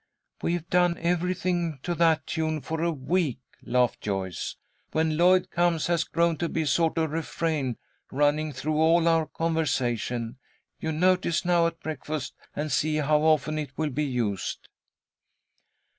"We've done everything to that tune for a week," laughed Joyce. "'When Lloyd comes' has grown to be a sort of refrain, running through all our conversation. You notice now, at breakfast, and see how often it will be used."